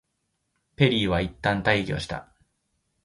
ペリーはいったん退去した。